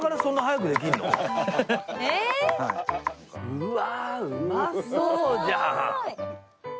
うわうまそうじゃん！